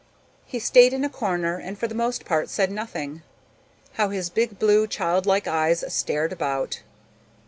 He stayed in a corner and for the most part said nothing. How his big blue childlike eyes stared about!